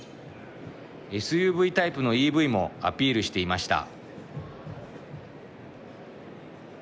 ＳＵＶタイプのＥＶもアピールしていました。